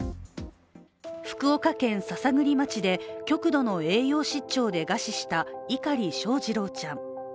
福岡県篠栗町で極度の栄養失調で餓死した碇翔士郎ちゃん。